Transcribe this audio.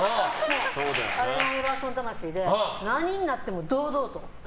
アイバーソン魂で何があっても堂々と。